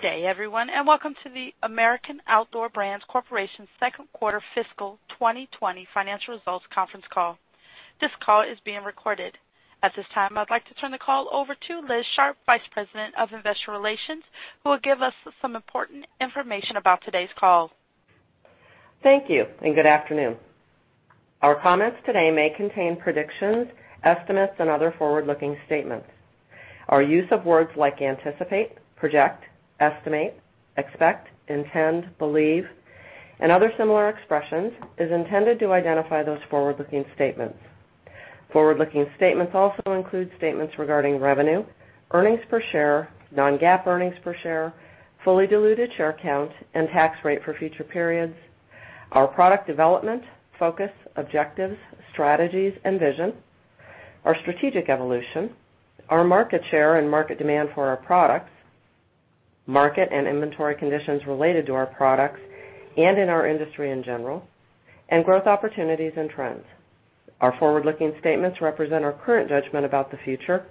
Good day, everyone, and welcome to the American Outdoor Brands Corporation's Second Quarter Fiscal 2020 Financial Results Conference Call. This call is being recorded. At this time, I'd like to turn the call over to Liz Sharp, Vice President of Investor Relations, who will give us some important information about today's call. Thank you, and good afternoon. Our comments today may contain predictions, estimates, and other forward-looking statements. Our use of words like anticipate, project, estimate, expect, intend, believe, and other similar expressions is intended to identify those forward-looking statements. Forward-looking statements also include statements regarding revenue, earnings per share, non-GAAP earnings per share, fully diluted share count, and tax rate for future periods, our product development, focus, objectives, strategies, and vision, our strategic evolution, our market share and market demand for our products, market and inventory conditions related to our products and in our industry in general, and growth opportunities and trends. Our forward-looking statements represent our current judgment about the future,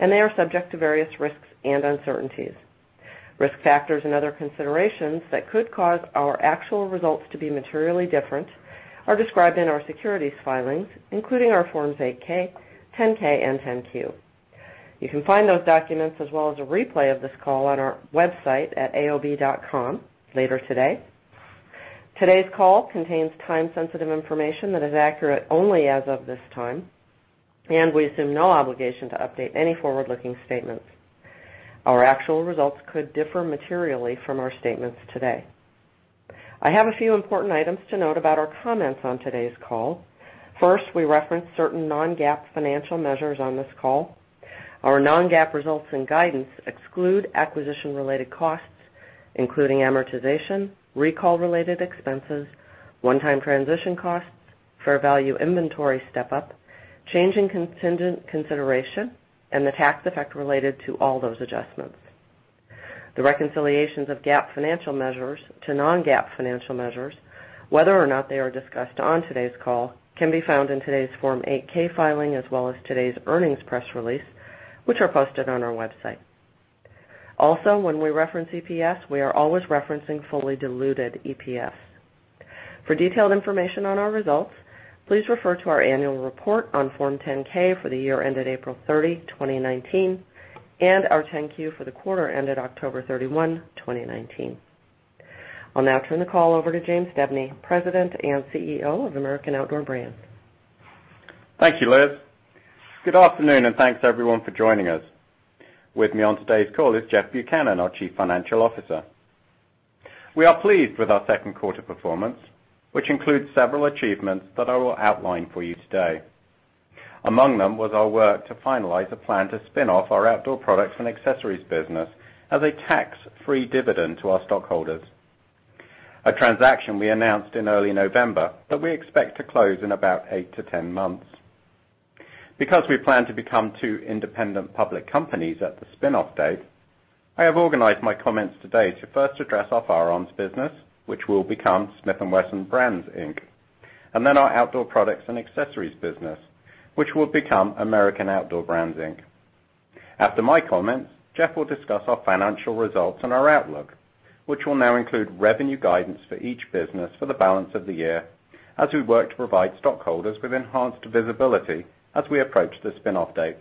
and they are subject to various risks and uncertainties. Risk factors and other considerations that could cause our actual results to be materially different are described in our securities filings, including our Forms 8-K, 10-K, and 10-Q. You can find those documents as well as a replay of this call on our website at aob.com later today. Today's call contains time-sensitive information that is accurate only as of this time, and we assume no obligation to update any forward-looking statements. Our actual results could differ materially from our statements today. I have a few important items to note about our comments on today's call. First, we reference certain non-GAAP financial measures on this call. Our non-GAAP results and guidance exclude acquisition-related costs, including amortization, recall-related expenses, one-time transition costs, fair value inventory step-up, change in contingent consideration, and the tax effect related to all those adjustments. The reconciliations of GAAP financial measures to non-GAAP financial measures, whether or not they are discussed on today's call, can be found in today's Form 8-K filing as well as today's earnings press release, which are posted on our website. Also, when we reference EPS, we are always referencing fully diluted EPS. For detailed information on our results, please refer to our annual report on Form 10-K for the year ended April 30, 2019, and our 10-Q for the quarter ended October 31, 2019. I'll now turn the call over to James Debney, President and CEO of American Outdoor Brands. Thank you, Liz. Good afternoon, and thanks everyone for joining us. With me on today's call is Jeff Buchanan, our Chief Financial Officer. We are pleased with our second quarter performance, which includes several achievements that I will outline for you today. Among them was our work to finalize a plan to spin off our Outdoor Products and Accessories business as a tax-free dividend to our stockholders, a transaction we announced in early November that we expect to close in about 8-10 months. Because we plan to become two independent public companies at the spin-off date, I have organized my comments today to first address our Firearms business, which will become Smith & Wesson Brands, Inc, and then our Outdoor Products and Accessories business, which will become American Outdoor Brands, Inc. After my comments, Jeff will discuss our financial results and our outlook, which will now include revenue guidance for each business for the balance of the year as we work to provide stockholders with enhanced visibility as we approach the spin-off date.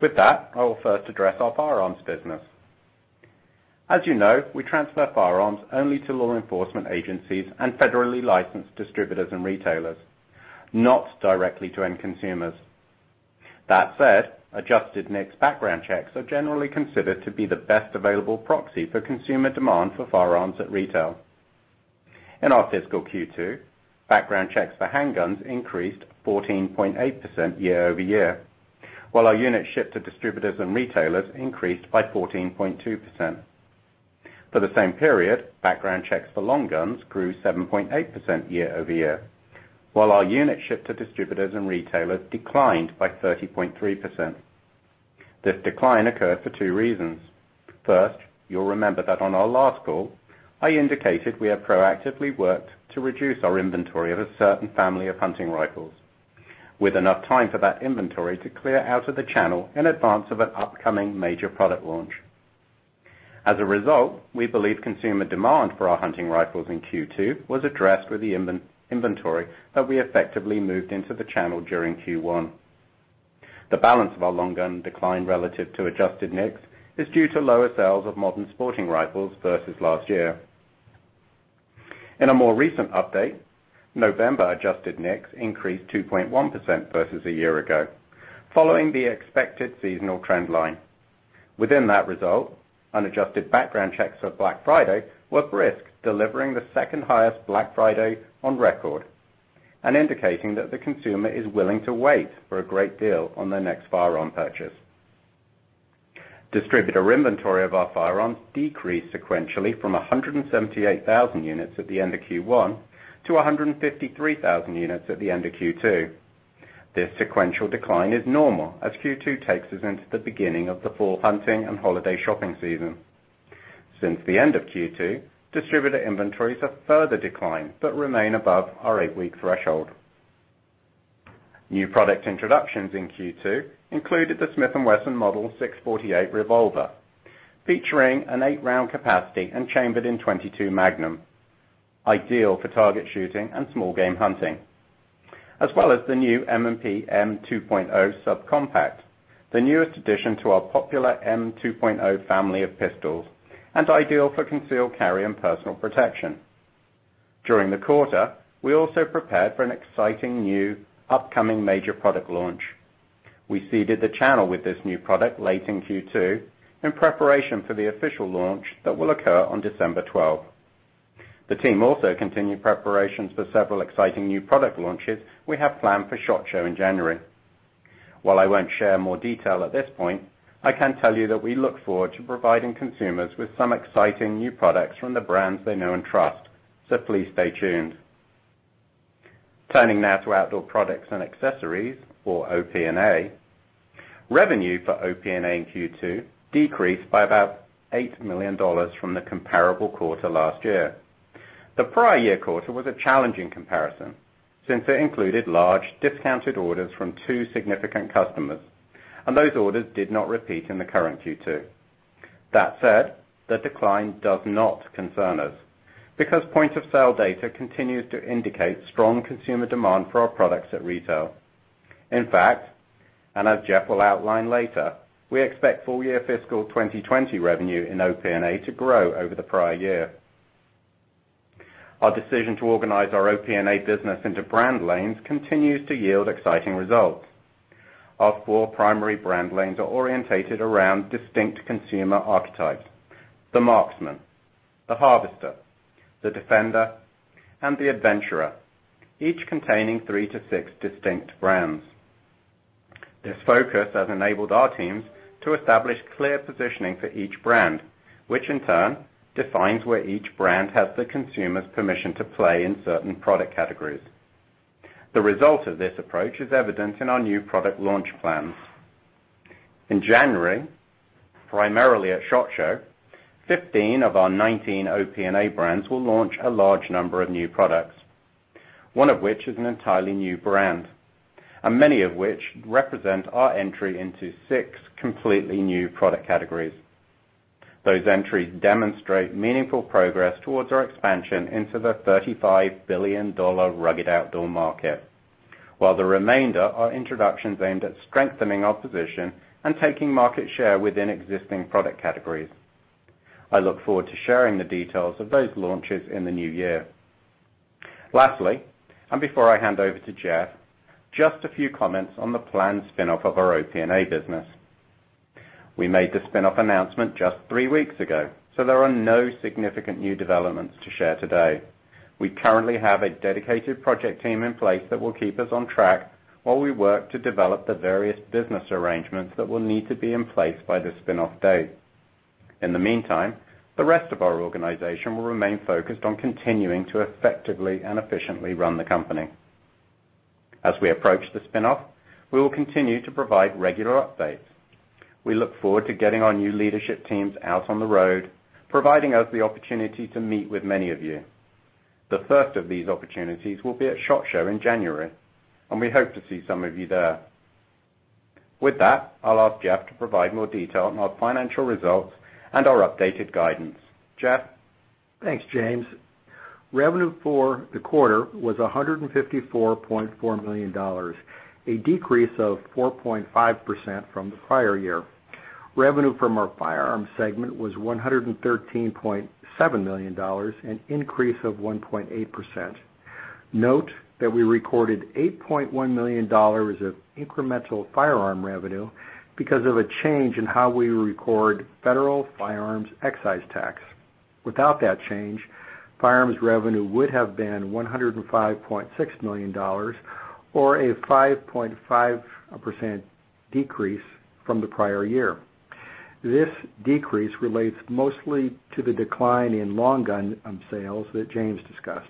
With that, I will first address our Firearms business. As you know, we transfer Firearms only to law enforcement agencies and federally licensed distributors and retailers, not directly to end consumers. That said, adjusted NICS background checks are generally considered to be the best available proxy for consumer demand for Firearms at retail. In our fiscal Q2, background checks for handguns increased 14.8% year-over-year, while our unit shipments to distributors and retailers increased by 14.2%. For the same period, background checks for long guns grew 7.8% year-over-year, while our unit shipments to distributors and retailers declined by 30.3%. This decline occurred for two reasons. First, you'll remember that on our last call, I indicated we have proactively worked to reduce our inventory of a certain family of hunting rifles, with enough time for that inventory to clear out of the channel in advance of an upcoming major product launch. As a result, we believe consumer demand for our hunting rifles in Q2 was addressed with the inventory that we effectively moved into the channel during Q1. The balance of our long gun decline relative to adjusted NICS is due to lower sales of modern sporting rifles versus last year. In a more recent update, November adjusted NICS increased 2.1% versus a year ago, following the expected seasonal trend line. Within that result, unadjusted background checks for Black Friday were brisk, delivering the second highest Black Friday on record and indicating that the consumer is willing to wait for a great deal on their next Firearms purchase. Distributor inventory of our Firearms decreased sequentially from 178,000 units at the end of Q1 to 153,000 units at the end of Q2. This sequential decline is normal as Q2 takes us into the beginning of the full hunting and holiday shopping season. Since the end of Q2, distributor inventories have further declined but remain above our eight-week threshold. New product introductions in Q2 included the Smith & Wesson Model 648 Revolver, featuring an eight-round capacity and chambered in .22 Magnum, ideal for target shooting and small game hunting, as well as the new M&P M2.0 Subcompact, the newest addition to our popular M2.0 family of pistols and ideal for concealed carry and personal protection. During the quarter, we also prepared for an exciting new upcoming major product launch. We seeded the channel with this new product late in Q2 in preparation for the official launch that will occur on December 12. The team also continued preparations for several exciting new product launches we have planned for SHOT Show in January. While I won't share more detail at this point, I can tell you that we look forward to providing consumers with some exciting new products from the brands they know and trust, so please stay tuned. Turning now to Outdoor Products and Accessories, or OP&A, revenue for OP&A in Q2 decreased by about $8 million from the comparable quarter last year. The prior year quarter was a challenging comparison since it included large discounted orders from two significant customers, and those orders did not repeat in the current Q2. That said, the decline does not concern us because point-of-sale data continues to indicate strong consumer demand for our products at retail. In fact, and as Jeff will outline later, we expect full-year fiscal 2020 revenue in OP&A to grow over the prior year. Our decision to organize our OP&A business into brand lanes continues to yield exciting results. Our four primary brand lanes are orientated around distinct consumer archetypes: the Marksman, the Harvester, the Defender, and the Adventurer, each containing three to six distinct brands. This focus has enabled our teams to establish clear positioning for each brand, which in turn defines where each brand has the consumer's permission to play in certain product categories. The result of this approach is evident in our new product launch plans. In January, primarily at SHOT Show, 15 of our 19 OP&A brands will launch a large number of new products, one of which is an entirely new brand, and many of which represent our entry into six completely new product categories. Those entries demonstrate meaningful progress towards our expansion into the $35 billion rugged outdoor market, while the remainder are introductions aimed at strengthening our position and taking market share within existing product categories. I look forward to sharing the details of those launches in the new year. Lastly, and before I hand over to Jeff, just a few comments on the planned spin-off of our OP&A business. We made the spin-off announcement just three weeks ago, so there are no significant new developments to share today. We currently have a dedicated project team in place that will keep us on track while we work to develop the various business arrangements that will need to be in place by the spin-off date. In the meantime, the rest of our organization will remain focused on continuing to effectively and efficiently run the company. As we approach the spin-off, we will continue to provide regular updates. We look forward to getting our new leadership teams out on the road, providing us the opportunity to meet with many of you. The first of these opportunities will be at SHOT Show in January, and we hope to see some of you there. With that, I'll ask Jeff to provide more detail on our financial results and our updated guidance. Jeff? Thanks, James. Revenue for the quarter was $154.4 million, a decrease of 4.5% from the prior year. Revenue from our Firearms segment was $113.7 million, an increase of 1.8%. Note that we recorded $8.1 million of incremental Firearms revenue because of a change in how we record federal Firearms excise tax. Without that change, Firearms revenue would have been $105.6 million or a 5.5% decrease from the prior year. This decrease relates mostly to the decline in long gun sales that James discussed.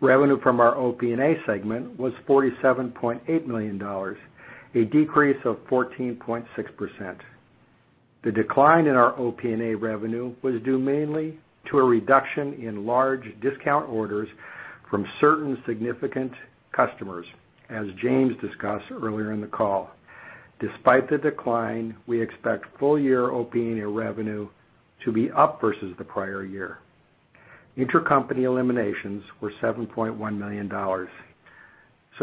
Revenue from our OP&A segment was $47.8 million, a decrease of 14.6%. The decline in our OP&A revenue was due mainly to a reduction in large discount orders from certain significant customers, as James discussed earlier in the call. Despite the decline, we expect full-year OP&A revenue to be up versus the prior year. Intercompany eliminations were $7.1 million.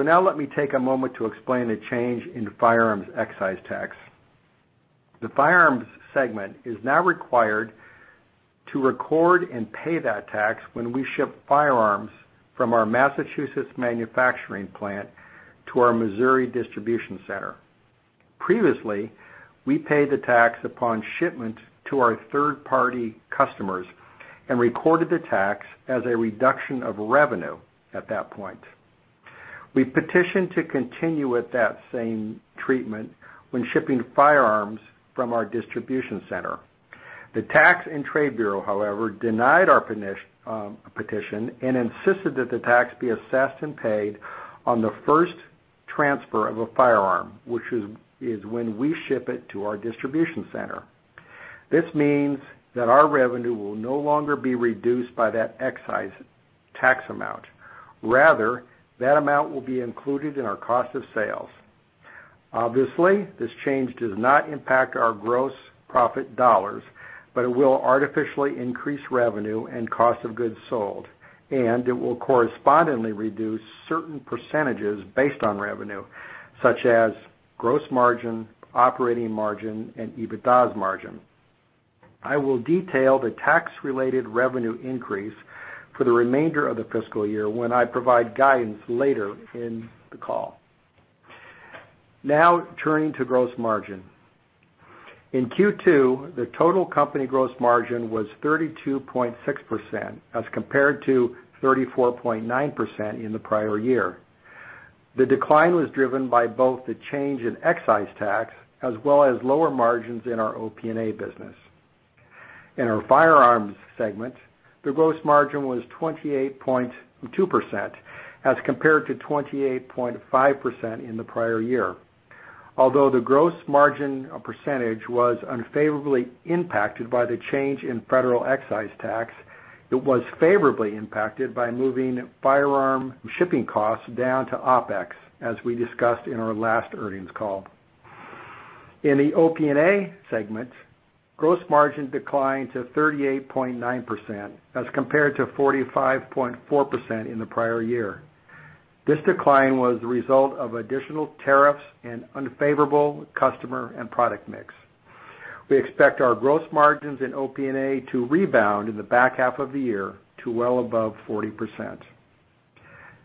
Now let me take a moment to explain a change in Firearms excise tax. The Firearms segment is now required to record and pay that tax when we ship Firearms from our Massachusetts manufacturing plant to our Missouri distribution center. Previously, we paid the tax upon shipment to our third-party customers and recorded the tax as a reduction of revenue at that point. We petitioned to continue with that same treatment when shipping Firearms from our distribution center. The Tax and Trade Bureau, however, denied our petition and insisted that the tax be assessed and paid on the first transfer of a firearm, which is when we ship it to our distribution center. This means that our revenue will no longer be reduced by that excise tax amount. Rather, that amount will be included in our cost of sales. Obviously, this change does not impact our gross profit dollars, but it will artificially increase revenue and cost of goods sold, and it will correspondingly reduce certain percentages based on revenue, such as gross margin, operating margin, and EBITDAS margin. I will detail the tax-related revenue increase for the remainder of the fiscal year when I provide guidance later in the call. Now turning to gross margin. In Q2, the total company gross margin was 32.6% as compared to 34.9% in the prior year. The decline was driven by both the change in excise tax as well as lower margins in our OP&A business. In our Firearms segment, the gross margin was 28.2% as compared to 28.5% in the prior year. Although the gross margin percentage was unfavorably impacted by the change in federal excise tax, it was favorably impacted by moving Firearms shipping costs down to OPEX, as we discussed in our last earnings call. In the OP&A segment, gross margin declined to 38.9% as compared to 45.4% in the prior year. This decline was the result of additional tariffs and unfavorable customer and product mix. We expect our gross margins in OP&A to rebound in the back half of the year to well above 40%.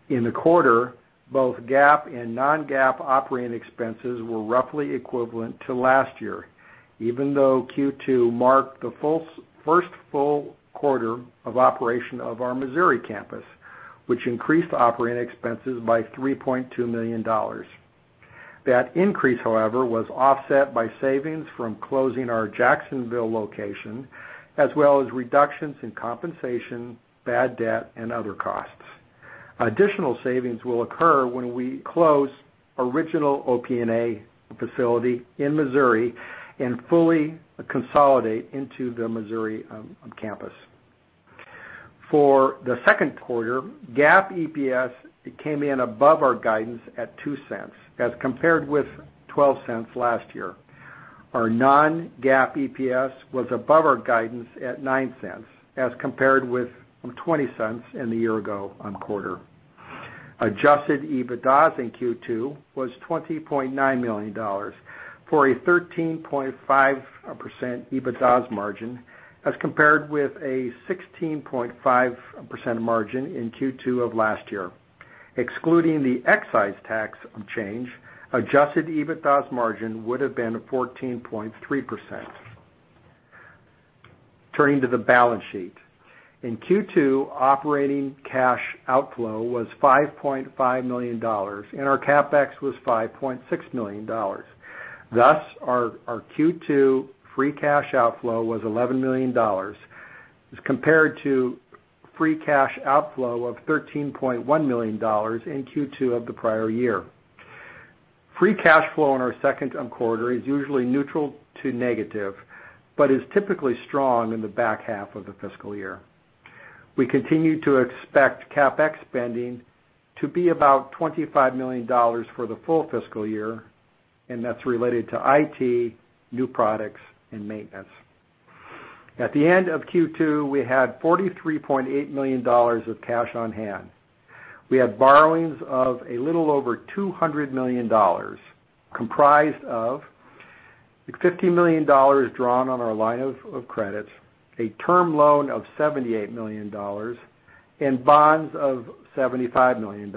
In the quarter, both GAAP and non-GAAP operating expenses were roughly equivalent to last year, even though Q2 marked the first full quarter of operation of our Missouri campus, which increased operating expenses by $3.2 million. That increase, however, was offset by savings from closing our Jacksonville location, as well as reductions in compensation, bad debt, and other costs. Additional savings will occur when we close original OP&A facility in Missouri and fully consolidate into the Missouri campus. For the second quarter, GAAP EPS came in above our guidance at $0.02 as compared with $0.12 last year. Our non-GAAP EPS was above our guidance at $0.09 as compared with $0.20 in the year-ago quarter. Adjusted EBITDAS in Q2 was $20.9 million for a 13.5% EBITDAS margin as compared with a 16.5% margin in Q2 of last year. Excluding the excise tax change, adjusted EBITDAS margin would have been 14.3%. Turning to the balance sheet, in Q2, operating cash outflow was $5.5 million, and our CapEx was $5.6 million. Thus, our Q2 free cash outflow was $11 million as compared to free cash outflow of $13.1 million in Q2 of the prior year. Free cash flow in our second quarter is usually neutral to negative but is typically strong in the back half of the fiscal year. We continue to expect CapEx spending to be about $25 million for the full fiscal year, and that's related to IT, new products, and maintenance. At the end of Q2, we had $43.8 million of cash on hand. We had borrowings of a little over $200 million, comprised of $50 million drawn on our line of credit, a term loan of $78 million, and bonds of $75 million.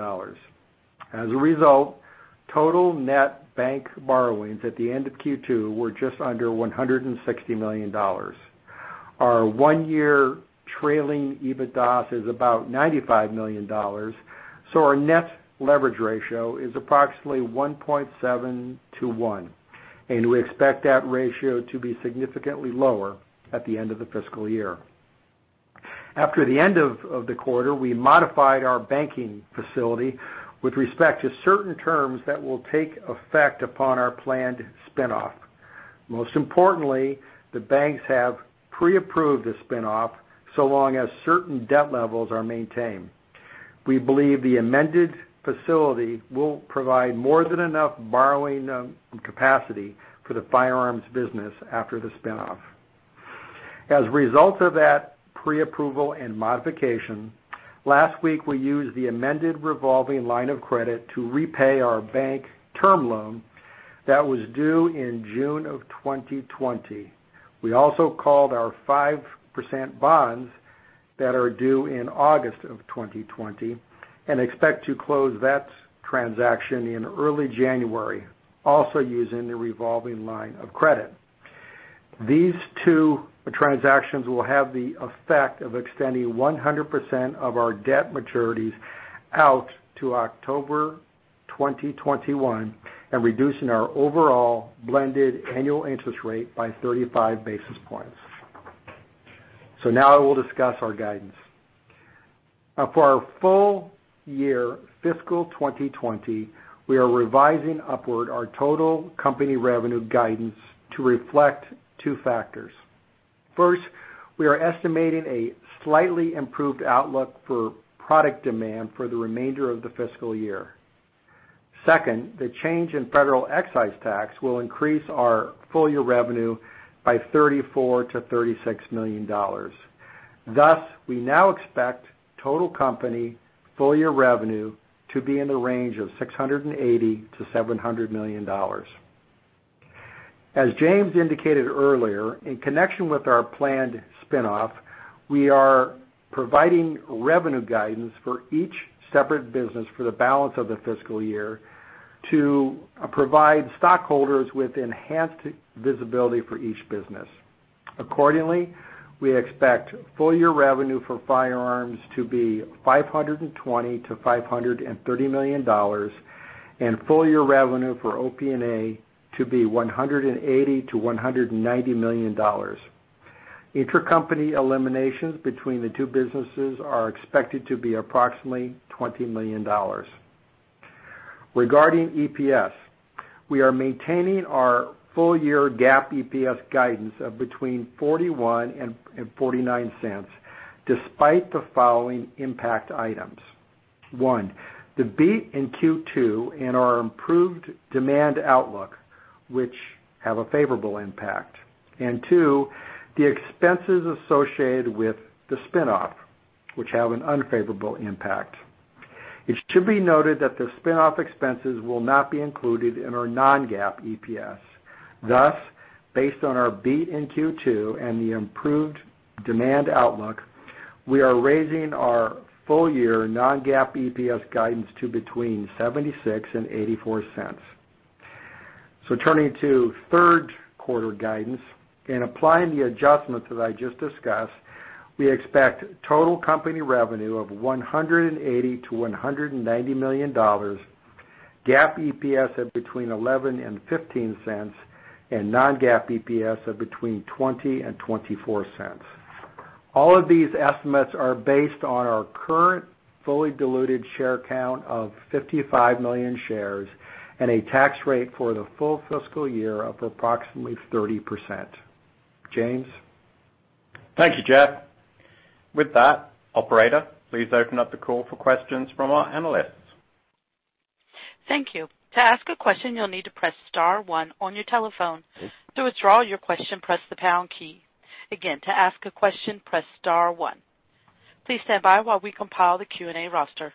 As a result, total net bank borrowings at the end of Q2 were just under $160 million. Our one-year trailing EBITDAS is about $95 million, so our net leverage ratio is approximately 1.7 to 1, and we expect that ratio to be significantly lower at the end of the fiscal year. After the end of the quarter, we modified our banking facility with respect to certain terms that will take effect upon our planned spin-off. Most importantly, the banks have pre-approved the spin-off so long as certain debt levels are maintained. We believe the amended facility will provide more than enough borrowing capacity for the Firearms business after the spin-off. As a result of that pre-approval and modification, last week we used the amended revolving line of credit to repay our bank term loan that was due in June of 2020. We also called our 5% bonds that are due in August of 2020 and expect to close that transaction in early January, also using the revolving line of credit. These two transactions will have the effect of extending 100% of our debt maturities out to October 2021 and reducing our overall blended annual interest rate by 35 basis points. So now we'll discuss our guidance. For our full-year fiscal 2020, we are revising upward our total company revenue guidance to reflect two factors. First, we are estimating a slightly improved outlook for product demand for the remainder of the fiscal year. Second, the change in federal excise tax will increase our full-year revenue by $34 million-$36 million. Thus, we now expect total company full-year revenue to be in the range of $680 million-$700 million. As James indicated earlier, in connection with our planned spin-off, we are providing revenue guidance for each separate business for the balance of the fiscal year to provide stockholders with enhanced visibility for each business. Accordingly, we expect full-year revenue for Firearms to be $520 million-$530 million and full-year revenue for OP&A to be $180 million-$190 million. Intercompany eliminations between the two businesses are expected to be approximately $20 million. Regarding EPS, we are maintaining our full-year GAAP EPS guidance of between $0.41 and $0.49 despite the following impact items: one, the beat in Q2 and our improved demand outlook, which have a favorable impact, and two, the expenses associated with the spin-off, which have an unfavorable impact. It should be noted that the spin-off expenses will not be included in our non-GAAP EPS. Thus, based on our beat in Q2 and the improved demand outlook, we are raising our full-year non-GAAP EPS guidance to between $0.76 and $0.84. So turning to third quarter guidance, in applying the adjustments that I just discussed, we expect total company revenue of $180 million-$190 million, GAAP EPS of between $0.11 and $0.15, and non-GAAP EPS of between $0.20 and $0.24. All of these estimates are based on our current fully diluted share count of 55 million shares and a tax rate for the full fiscal year of approximately 30%. James? Thank you, Jeff. With that, Operator, please open up the call for questions from our analysts. Thank you. To ask a question, you'll need to press star one on your telephone. To withdraw your question, press the pound key. Again, to ask a question, press star one. Please stand by while we compile the Q&A roster.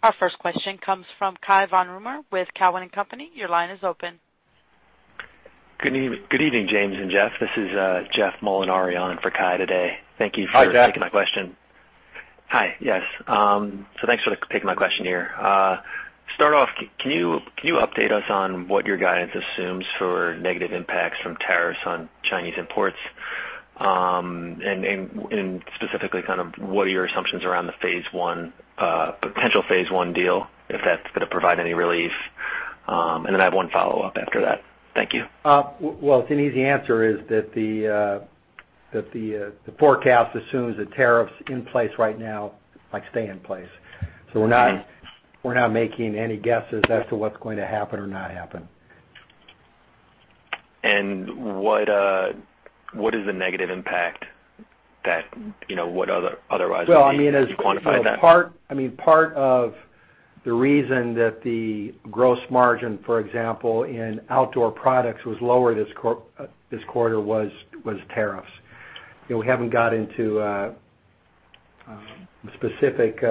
Our first question comes from Cai von Rumohr with Cowen and Company. Your line is open. Good evening, James and Jeff. This is Jeff Molinari on for Cai today. Thank you for taking my question. Hi, yes. So thanks for taking my question here. To start off, can you update us on what your guidance assumes for negative impacts from tariffs on Chinese imports? And specifically, kind of what are your assumptions around the potential phase one deal, if that's going to provide any relief? And then I have one follow-up after that. Thank you. The easy answer is that the forecast assumes that tariffs in place right now might stay in place. We're not making any guesses as to what's going to happen or not happen. What is the negative impact that otherwise would be quantified? Well, I mean, part of the reason that the gross margin, for example, in outdoor products was lower this quarter was tariffs. We haven't got into specific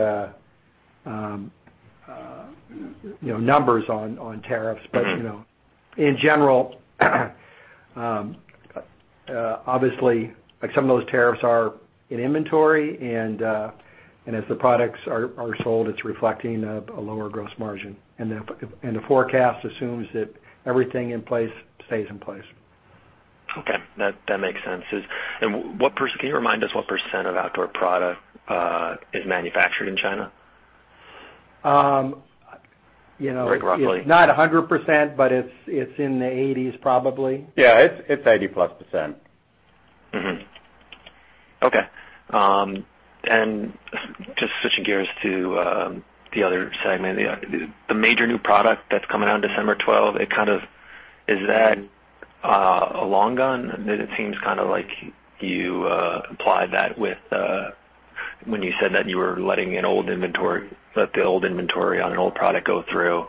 numbers on tariffs, but in general, obviously, some of those tariffs are in inventory, and as the products are sold, it's reflecting a lower gross margin. And the forecast assumes that everything in place stays in place. Okay. That makes sense and can you remind us what percent of outdoor product is manufactured in China? Not 100%, but it's in the 80s, probably. Yeah, it's 80+%. Okay. And just switching gears to the other segment, the major new product that's coming on December 12, is that a long gun? It seems kind of like you applied that when you said that you were letting the old inventory on an old product go through.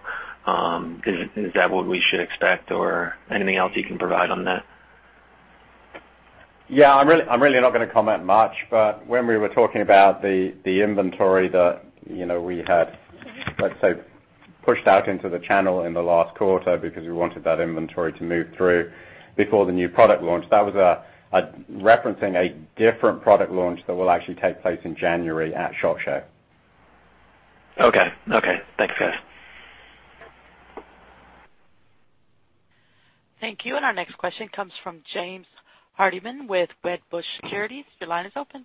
Is that what we should expect, or anything else you can provide on that? Yeah, I'm really not going to comment much, but when we were talking about the inventory that we had, let's say, pushed out into the channel in the last quarter because we wanted that inventory to move through before the new product launch, that was referencing a different product launch that will actually take place in January at SHOT Show. Okay. Okay. Thanks, guys. Thank you. And our next question comes from James Hardiman with Wedbush Securities. Your line is open.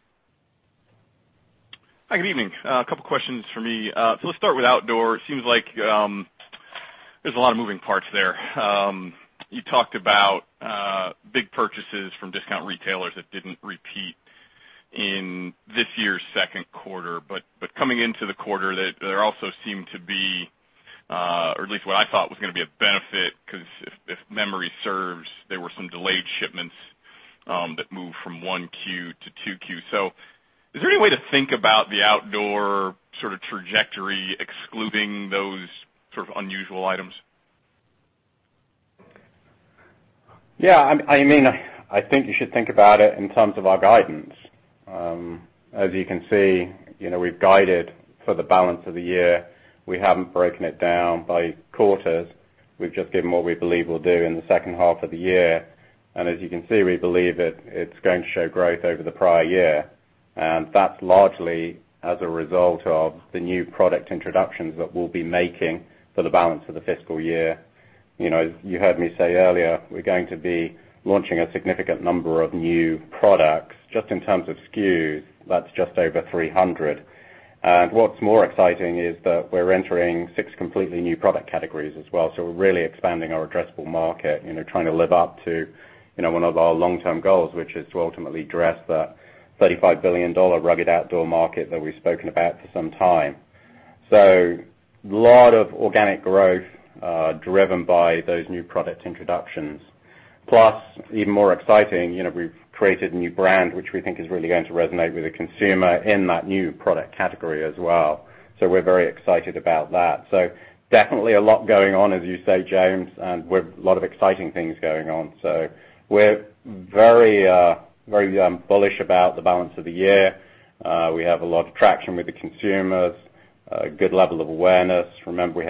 Hi, good evening. A couple of questions for me. So let's start with Outdoor. It seems like there's a lot of moving parts there. You talked about big purchases from discount retailers that didn't repeat in this year's second quarter, but coming into the quarter, there also seemed to be, or at least what I thought was going to be a benefit, because if memory serves, there were some delayed shipments that moved from 1Q to 2Q. So is there any way to think about the outdoor sort of trajectory excluding those sort of unusual items? Yeah. I mean, I think you should think about it in terms of our guidance. As you can see, we've guided for the balance of the year. We haven't broken it down by quarters. We've just given what we believe will do in the second half of the year. And as you can see, we believe it's going to show growth over the prior year. And that's largely as a result of the new product introductions that we'll be making for the balance of the fiscal year. You heard me say earlier, we're going to be launching a significant number of new products. Just in terms of SKUs, that's just over 300. And what's more exciting is that we're entering six completely new product categories as well. So we're really expanding our addressable market, trying to live up to one of our long-term goals, which is to ultimately address that $35 billion rugged outdoor market that we've spoken about for some time. So a lot of organic growth driven by those new product introductions. Plus, even more exciting, we've created a new brand, which we think is really going to resonate with the consumer in that new product category as well. So we're very excited about that. So definitely a lot going on, as you say, James, and a lot of exciting things going on. So we're very bullish about the balance of the year. We have a lot of traction with the consumers, a good level of awareness. Remember,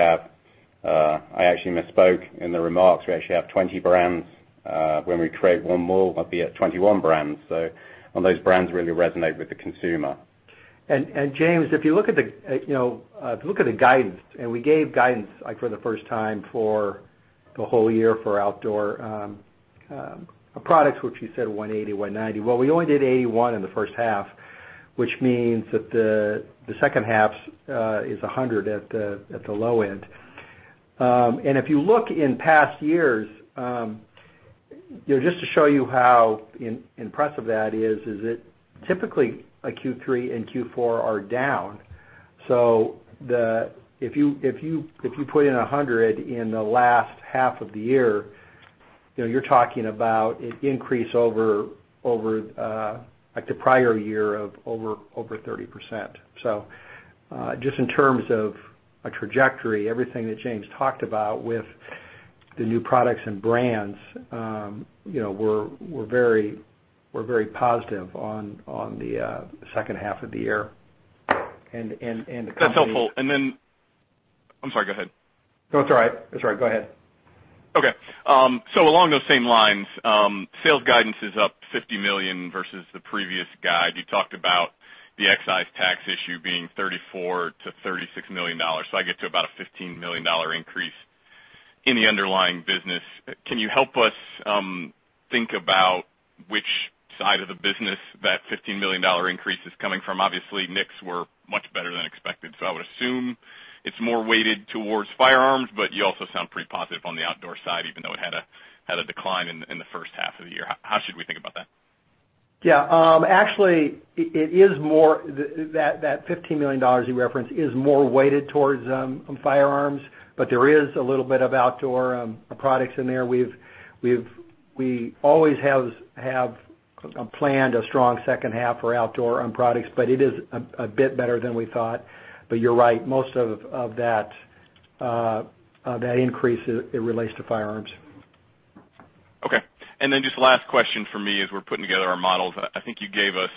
I actually misspoke in the remarks. We actually have 20 brands when we create one wall, albeit 21 brands. So those brands really resonate with the consumer. James, if you look at the guidance, and we gave guidance for the first time for the whole year for outdoor products, which you said 180-190. Well, we only did 81 in the first half, which means that the second half is 100 at the low end. And if you look in past years, just to show you how impressive that is, that typically Q3 and Q4 are down. So if you put in 100 in the last half of the year, you're talking about an increase over the prior year of over 30%. So just in terms of a trajectory, everything that James talked about with the new products and brands were very positive on the second half of the year. And. That's helpful, and then I'm sorry, go ahead. No, it's all right. It's all right. Go ahead. Okay. So along those same lines, sales guidance is up $50 million versus the previous guide. You talked about the excise tax issue being $34 million-$36 million. So I get to about a $15 million increase in the underlying business. Can you help us think about which side of the business that $15 million increase is coming from? Obviously, NICS were much better than expected. So I would assume it's more weighted towards Firearms, but you also sound pretty positive on the Outdoor side, even though it had a decline in the first half of the year. How should we think about that? Yeah. Actually, it is more that $15 million you referenced is more weighted towards Firearms, but there is a little bit of Outdoor products in there. We always have planned a strong second half for Outdoor products, but it is a bit better than we thought. But you're right, most of that increase, it relates to Firearms. Okay. And then just the last question for me as we're putting together our models. I think you gave us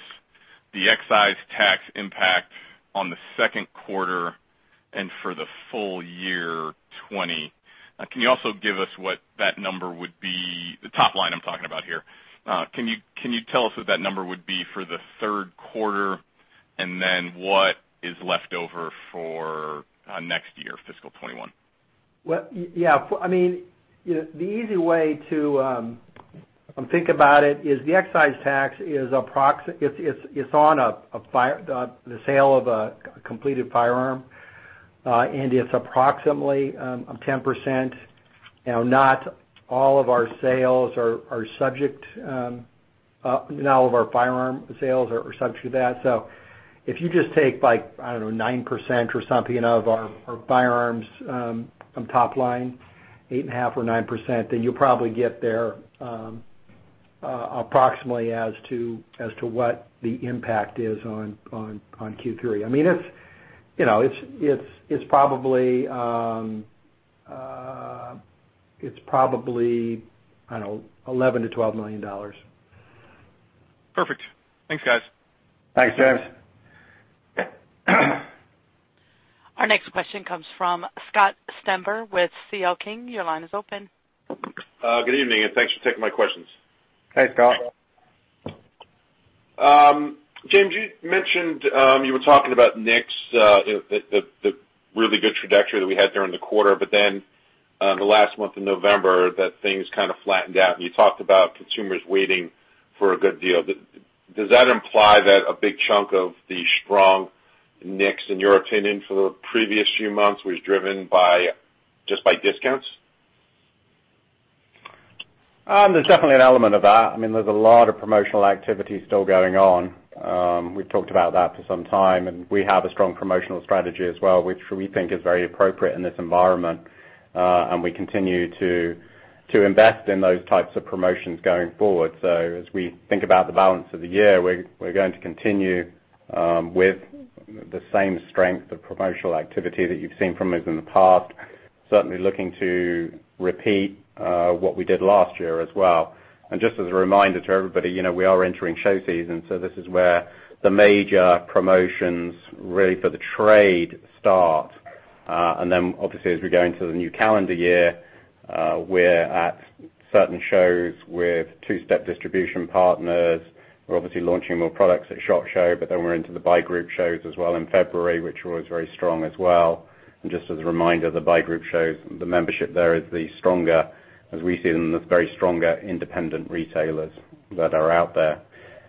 the excise tax impact on the second quarter and for the full year 2020. Can you also give us what that number would be? The top line I'm talking about here. Can you tell us what that number would be for the third quarter? And then what is left over for next year, fiscal 2021? Yeah. I mean, the easy way to think about it is the excise tax is on the sale of a completed firearm, and it's approximately 10%. Now, not all of our firearm sales are subject to that. So if you just take, I don't know, 9% or something of our Firearms top line, 8.5% or 9%, then you'll probably get there approximately as to what the impact is on Q3. I mean, it's probably, I don't know, $11 million-$12 million. Perfect. Thanks, guys. Thanks, James. Our next question comes from Scott Stember with C.L. King. Your line is open. Good evening, and thanks for taking my questions. Hey, Scott. James, you mentioned you were talking about NICS, the really good trajectory that we had during the quarter, but then the last month of November, that things kind of flattened out, and you talked about consumers waiting for a good deal. Does that imply that a big chunk of the strong NICS, in your opinion, for the previous few months, was driven just by discounts? There's definitely an element of that. I mean, there's a lot of promotional activity still going on. We've talked about that for some time, and we have a strong promotional strategy as well, which we think is very appropriate in this environment, and we continue to invest in those types of promotions going forward, so as we think about the balance of the year, we're going to continue with the same strength of promotional activity that you've seen from us in the past, certainly looking to repeat what we did last year as well, and just as a reminder to everybody, we are entering show season, so this is where the major promotions really for the trade start. And then, obviously, as we go into the new calendar year, we're at certain shows with two-step distribution partners. We're obviously launching more products at SHOT Show, but then we're into the buy group shows as well in February, which were always very strong as well. And just as a reminder, the buy group shows, the membership there is the stronger, as we see them, the very stronger independent retailers that are out there.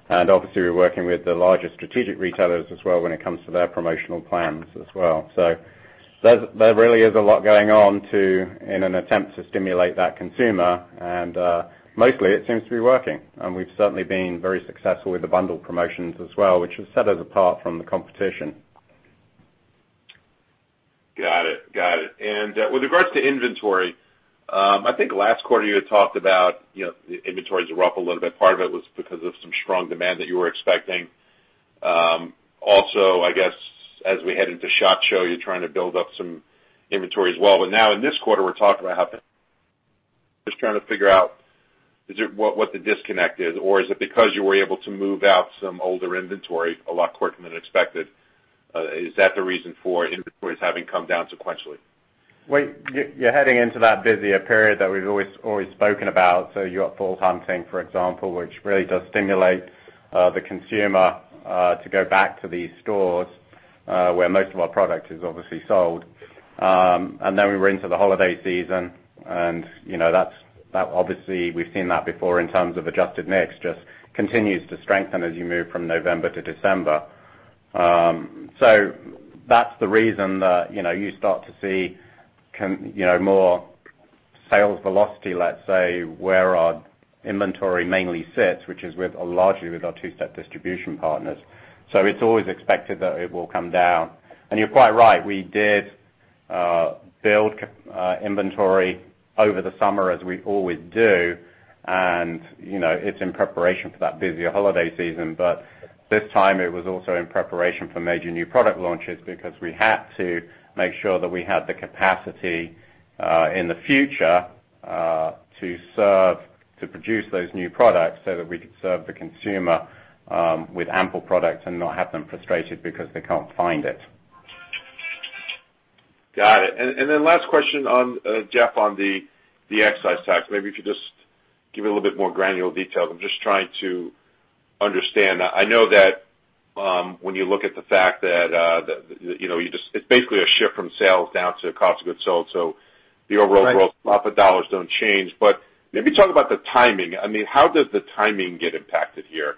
And obviously, we're working with the larger strategic retailers as well when it comes to their promotional plans as well. So there really is a lot going on in an attempt to stimulate that consumer. And mostly, it seems to be working. And we've certainly been very successful with the bundle promotions as well, which has set us apart from the competition. Got it. Got it. And with regards to inventory, I think last quarter you had talked about inventories are up a little bit. Part of it was because of some strong demand that you were expecting. Also, I guess, as we head into SHOT Show, you're trying to build up some inventory as well. But now, in this quarter, we're talking about how just trying to figure out what the disconnect is. Or is it because you were able to move out some older inventory a lot quicker than expected? Is that the reason for inventories having come down sequentially? You're heading into that busier period that we've always spoken about. You've got fall hunting, for example, which really does stimulate the consumer to go back to these stores where most of our product is obviously sold. Then we were into the holiday season, and that obviously, we've seen that before in terms of Adjusted NICS just continues to strengthen as you move from November to December. That's the reason that you start to see more sales velocity, let's say, where our inventory mainly sits, which is largely with our two-step distribution partners. It's always expected that it will come down. You're quite right. We did build inventory over the summer, as we always do, and it's in preparation for that busier holiday season. But this time, it was also in preparation for major new product launches because we had to make sure that we had the capacity in the future to produce those new products so that we could serve the consumer with ample products and not have them frustrated because they can't find it. Got it. And then last question, Jeff, on the excise tax. Maybe if you just give a little bit more granular details. I'm just trying to understand. I know that when you look at the fact that you just it's basically a shift from sales down to cost of goods sold. So the overall growth, the profit dollars don't change. But maybe talk about the timing. I mean, how does the timing get impacted here?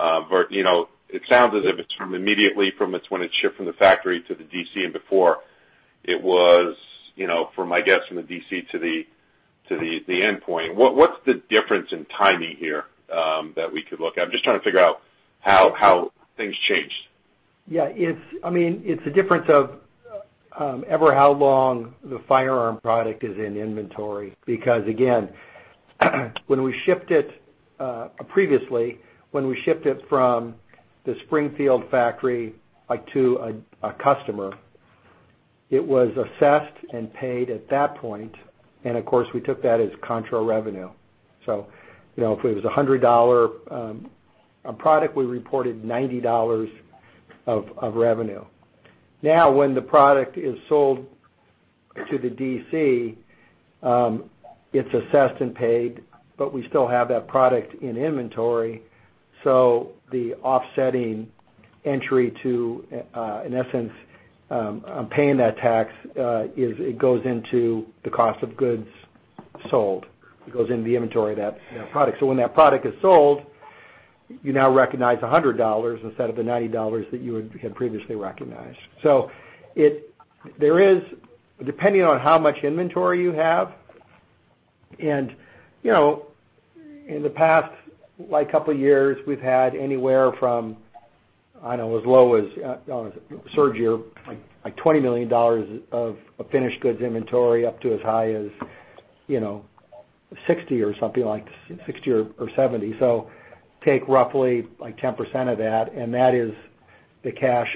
It sounds as if it's immediately from when it's shipped from the factory to the DC and before it was from, I guess, from the DC to the endpoint. What's the difference in timing here that we could look at? I'm just trying to figure out how things changed. Yeah. I mean, it's a difference of ever how long the firearm product is in inventory. Because, again, when we shipped it previously, when we shipped it from the Springfield factory to a customer, it was assessed and paid at that point. And of course, we took that as contra revenue. So if it was a $100 product, we reported $90 of revenue. Now, when the product is sold to the DC, it's assessed and paid, but we still have that product in inventory. So the offsetting entry to, in essence, paying that tax goes into the cost of goods sold. It goes into the inventory of that product. So when that product is sold, you now recognize $100 instead of the $90 that you had previously recognized. So there is, depending on how much inventory you have. In the past, like a couple of years, we've had anywhere from, I don't know, as low as say $20 million of finished goods inventory up to as high as 60 or something like 60 or 70. So take roughly like 10% of that, and that is the cash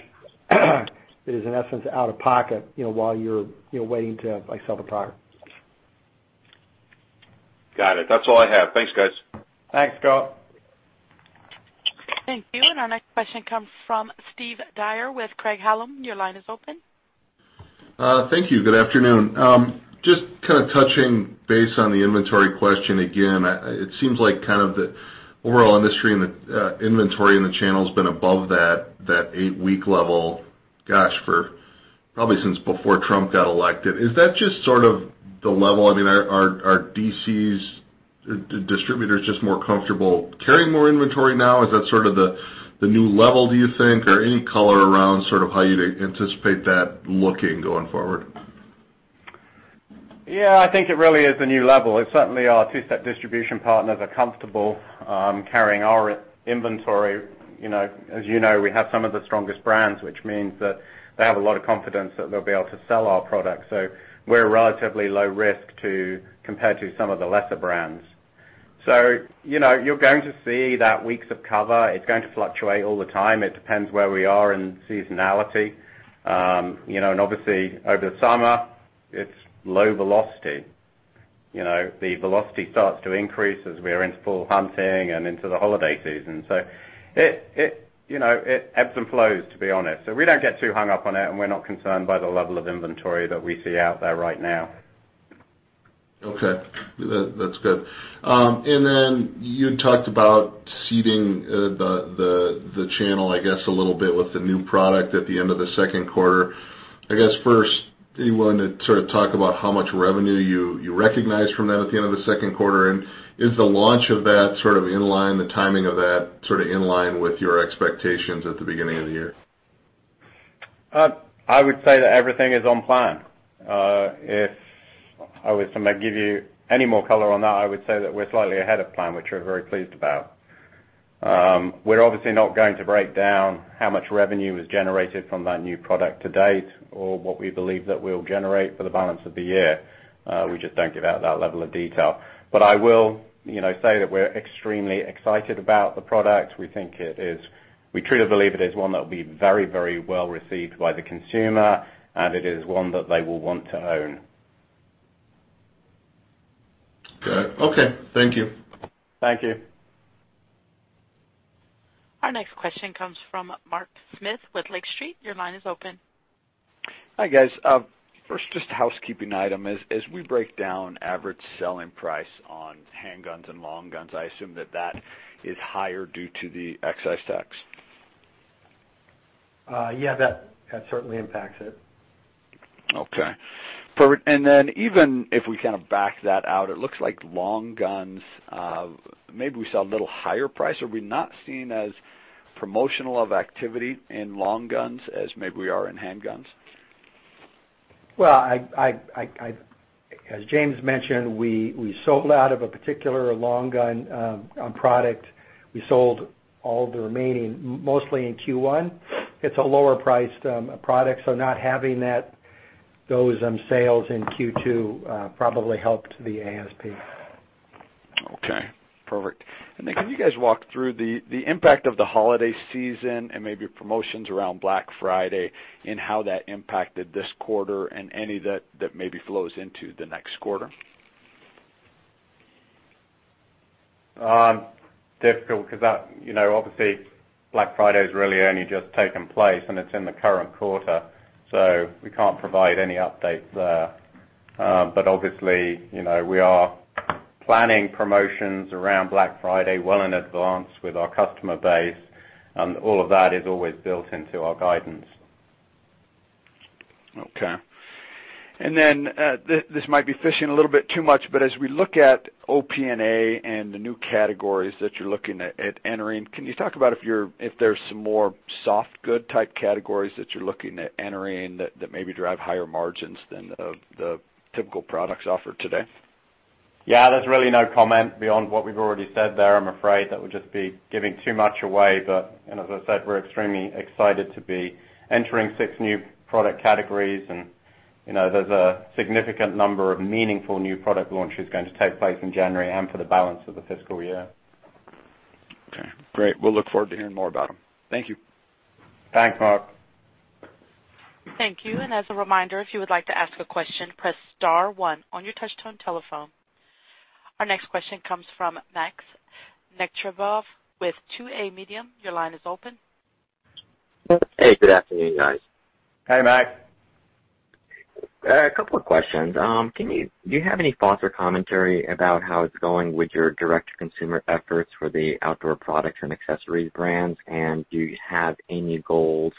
that is, in essence, out of pocket while you're waiting to sell the product. Got it. That's all I have. Thanks, guys. Thanks, Scott. Thank you. And our next question comes from Steve Dyer with Craig-Hallum. Your line is open. Thank you. Good afternoon. Just kind of touching base on the inventory question again. It seems like kind of the overall industry and the inventory and the channel has been above that eight-week level, gosh, for probably since before Trump got elected. Is that just sort of the level? I mean, are DC's distributors just more comfortable carrying more inventory now? Is that sort of the new level, do you think, or any color around sort of how you'd anticipate that looking going forward? Yeah. I think it really is the new level. Certainly, our two-step distribution partners are comfortable carrying our inventory. As you know, we have some of the strongest brands, which means that they have a lot of confidence that they'll be able to sell our products. So we're relatively low risk compared to some of the lesser brands. So you're going to see that weeks of cover. It's going to fluctuate all the time. It depends where we are in seasonality. And obviously, over the summer, it's low velocity. The velocity starts to increase as we are into fall hunting and into the holiday season. So it ebbs and flows, to be honest. So we don't get too hung up on it, and we're not concerned by the level of inventory that we see out there right now. Okay. That's good. And then you talked about seeding the channel, I guess, a little bit with the new product at the end of the second quarter. I guess first, do you want to sort of talk about how much revenue you recognize from that at the end of the second quarter? And is the launch of that sort of in line, the timing of that sort of in line with your expectations at the beginning of the year? I would say that everything is on plan. If I was to give you any more color on that, I would say that we're slightly ahead of plan, which we're very pleased about. We're obviously not going to break down how much revenue was generated from that new product to date or what we believe that we'll generate for the balance of the year. We just don't give out that level of detail. But I will say that we're extremely excited about the product. We truly believe it is one that will be very, very well received by the consumer, and it is one that they will want to own. Good. Okay. Thank you. Thank you. Our next question comes from Mark Smith with Lake Street. Your line is open. Hi, guys. First, just a housekeeping item. As we break down average selling price on handguns and long guns, I assume that that is higher due to the excise tax. Yeah. That certainly impacts it. Okay. Perfect. And then even if we kind of back that out, it looks like long guns, maybe we saw a little higher price. Are we not seeing as promotional activity in long guns as maybe we are in handguns? As James mentioned, we sold out of a particular long gun product. We sold all the remaining, mostly in Q1. It's a lower-priced product, so not having those sales in Q2 probably helped the ASP. Okay. Perfect. And then can you guys walk through the impact of the holiday season and maybe promotions around Black Friday and how that impacted this quarter and any that maybe flows into the next quarter? Difficult because, obviously, Black Friday has really only just taken place, and it's in the current quarter. So we can't provide any updates there. But obviously, we are planning promotions around Black Friday well in advance with our customer base. And all of that is always built into our guidance. Okay. And then this might be fishing a little bit too much, but as we look at OP&A and the new categories that you're looking at entering, can you talk about if there's some more soft good type categories that you're looking at entering that maybe drive higher margins than the typical products offered today? Yeah. There's really no comment beyond what we've already said there. I'm afraid that would just be giving too much away. But as I said, we're extremely excited to be entering six new product categories. And there's a significant number of meaningful new product launches going to take place in January and for the balance of the fiscal year. Okay. Great. We'll look forward to hearing more about them. Thank you. Thanks, Mark. Thank you. And as a reminder, if you would like to ask a question, press star one on your touchtone telephone. Our next question comes from [Max Necharevov] with [2A Medium]. Your line is open. Hey, good afternoon, guys. Hey, Max. A couple of questions. Do you have any thoughts or commentary about how it's going with your direct-to-consumer efforts for the Outdoor Products and Accessories brands? And do you have any goals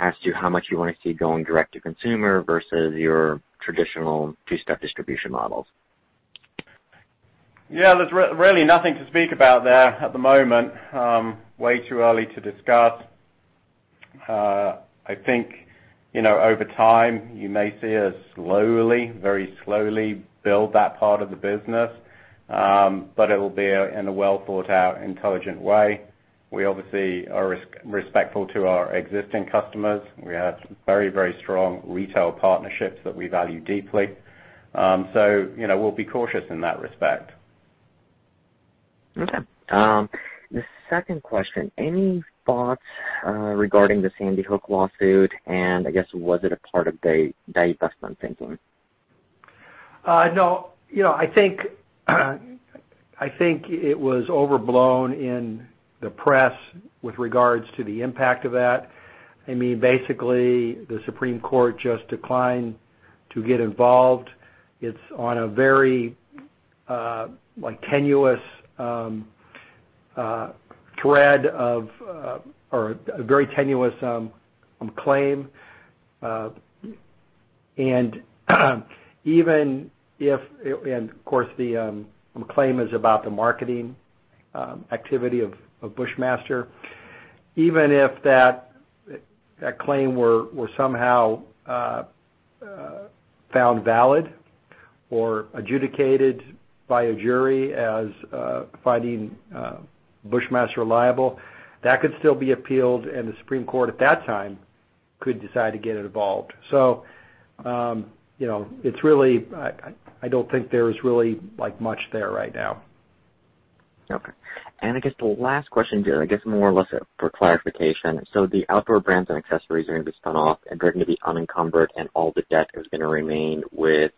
as to how much you want to see going direct-to-consumer versus your traditional two-step distribution models? Yeah. There's really nothing to speak about there at the moment. Way too early to discuss. I think over time, you may see us slowly, very slowly build that part of the business, but it will be in a well-thought-out, intelligent way. We obviously are respectful to our existing customers. We have very, very strong retail partnerships that we value deeply. So we'll be cautious in that respect. Okay. The second question. Any thoughts regarding the Sandy Hook lawsuit? And I guess, was it a part of the divestment thinking? No. I think it was overblown in the press with regards to the impact of that. I mean, basically, the Supreme Court just declined to get involved. It's on a very tenuous thread or a very tenuous claim. And of course, the claim is about the marketing activity of Bushmaster. Even if that claim were somehow found valid or adjudicated by a jury as finding Bushmaster liable, that could still be appealed, and the Supreme Court at that time could decide to get it involved. So I don't think there's really much there right now. Okay. And I guess the last question, I guess, more or less for clarification. So the Outdoor Brands and Accessories are going to be spun off, and they're going to be unencumbered, and all the debt is going to remain with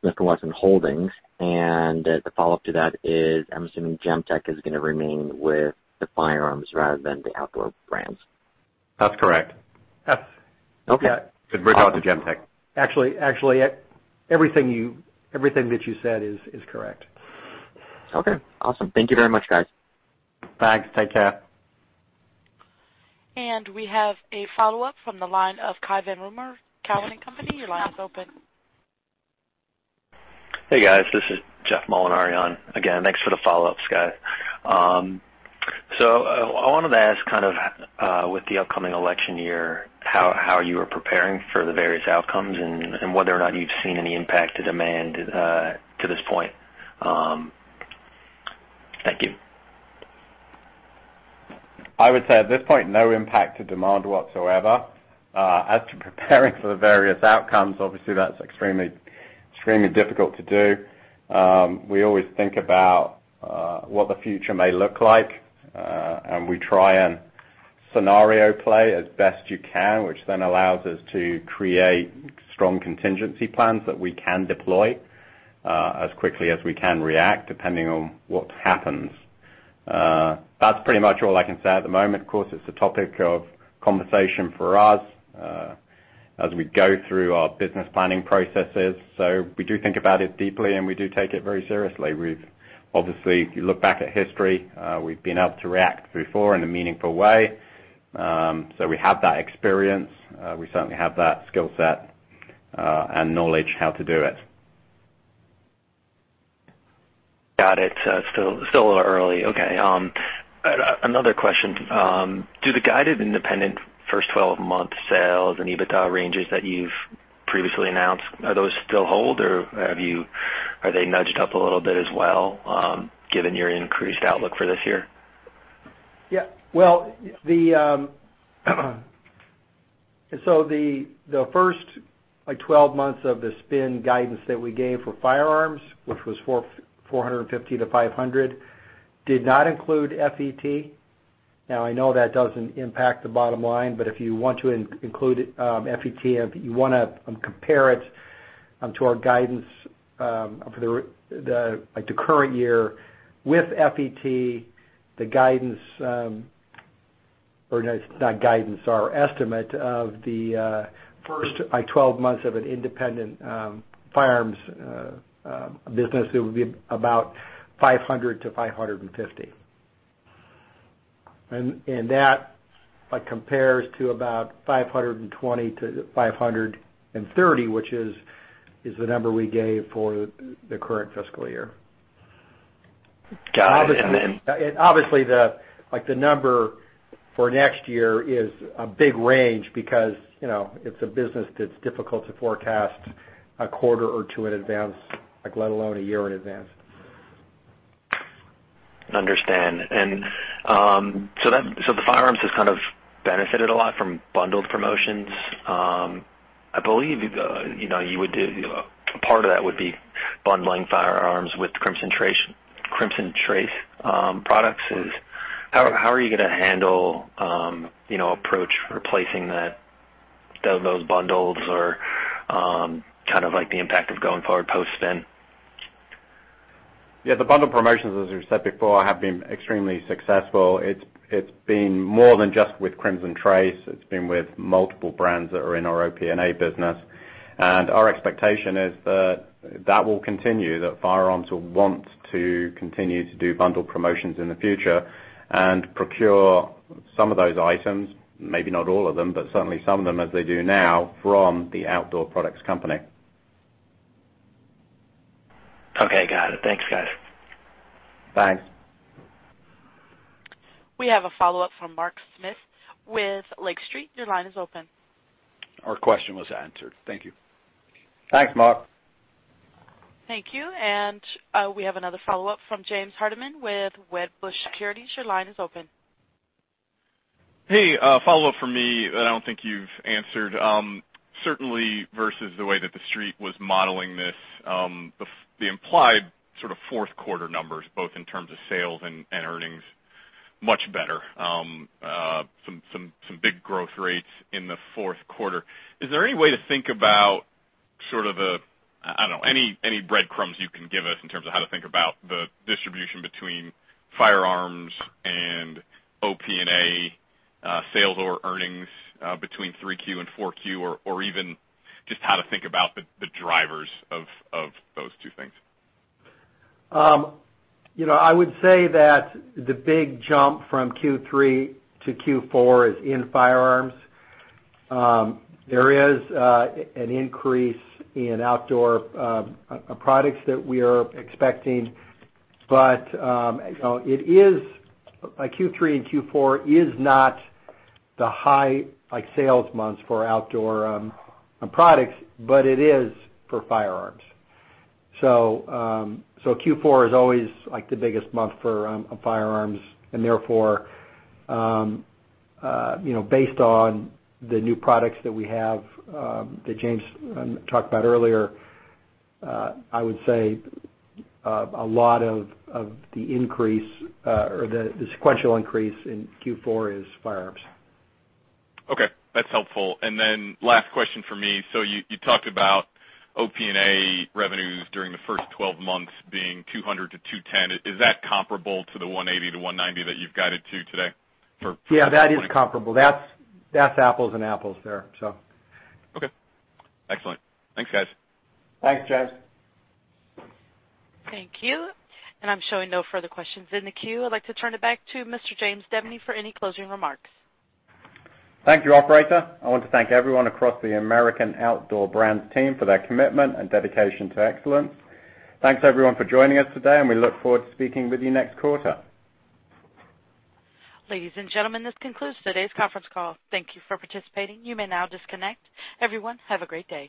Smith & Wesson Holdings. And the follow-up to that is, I'm assuming Gemtech is going to remain with the Firearms rather than the outdoor brands? That's correct. Yes. Yeah. Okay. Good. We're going to Gemtech. Actually, everything that you said is correct. Okay. Awesome. Thank you very much, guys. Thanks. Take care. We have a follow-up from the line of Cai von Rumohr, Cowen and Company. Your line is open. Hey, guys. This is Jeff Molinari on again. Thanks for the follow-up, guys. So I wanted to ask kind of with the upcoming election year how you are preparing for the various outcomes and whether or not you've seen any impact to demand to this point? Thank you. I would say at this point, no impact to demand whatsoever. As to preparing for the various outcomes, obviously, that's extremely difficult to do. We always think about what the future may look like, and we try and scenario play as best you can, which then allows us to create strong contingency plans that we can deploy as quickly as we can react depending on what happens. That's pretty much all I can say at the moment. Of course, it's a topic of conversation for us as we go through our business planning processes. So we do think about it deeply, and we do take it very seriously. We've obviously looked back at history. We've been able to react before in a meaningful way. So we have that experience. We certainly have that skill set and knowledge how to do it. Got it. Still early. Okay. Another question. Do the guidance independent first 12-month sales and EBITDA ranges that you've previously announced, are those still hold, or are they nudged up a little bit as well given your increased outlook for this year? Yeah. Well, so the first 12 months of the spin guidance that we gave for Firearms, which was $450-$500, did not include FET. Now, I know that doesn't impact the bottom line, but if you want to include FET, you want to compare it to our guidance for the current year with FET, the guidance or not guidance, our estimate of the first 12 months of an independent Firearms business, it would be about $500-$550. And that compares to about $520-$530, which is the number we gave for the current fiscal year. Got it. And then. Obviously, the number for next year is a big range because it's a business that's difficult to forecast a quarter or two in advance, let alone a year in advance. Understand. And so the Firearms has kind of benefited a lot from bundled promotions. I believe part of that would be bundling Firearms with Crimson Trace products. How are you going to handle approach replacing those bundles or kind of the impact of going forward post-spin? Yeah. The bundled promotions, as we've said before, have been extremely successful. It's been more than just with Crimson Trace. It's been with multiple brands that are in our OP&A business. And our expectation is that that will continue, that Firearms will want to continue to do bundled promotions in the future and procure some of those items, maybe not all of them, but certainly some of them as they do now from the outdoor products company. Okay. Got it. Thanks, guys. Thanks. We have a follow-up from Mark Smith with Lake Street. Your line is open. Our question was answered. Thank you. Thanks, Mark. Thank you. And we have another follow-up from James Hardiman with Wedbush Securities. Your line is open. Hey. Follow-up from me that I don't think you've answered. Certainly, versus the way that the Street was modeling this, the implied sort of fourth quarter numbers, both in terms of sales and earnings, much better. Some big growth rates in the fourth quarter. Is there any way to think about sort of the—I don't know—any breadcrumbs you can give us in terms of how to think about the distribution between Firearms and OP&A sales or earnings between 3Q and 4Q, or even just how to think about the drivers of those two things? I would say that the big jump from Q3 to Q4 is in Firearms. There is an increase in outdoor products that we are expecting, but Q3 and Q4 is not the high sales months for outdoor products, but it is for Firearms, so Q4 is always the biggest month for Firearms, and therefore, based on the new products that we have that James talked about earlier, I would say a lot of the increase or the sequential increase in Q4 is Firearms. Okay. That's helpful. And then last question for me. So you talked about OP&A revenues during the first 12 months being 200-210. Is that comparable to the 180-190 that you've guided to today for? Yeah. That is comparable. That's apples and apples there, so. Okay. Excellent. Thanks, guys. Thanks, James. Thank you. And I'm showing no further questions in the queue. I'd like to turn it back to Mr. James Debney for any closing remarks. Thank you, Operator. I want to thank everyone across the American Outdoor Brands team for their commitment and dedication to excellence. Thanks, everyone, for joining us today, and we look forward to speaking with you next quarter. Ladies and gentlemen, this concludes today's conference call. Thank you for participating. You may now disconnect. Everyone, have a great day.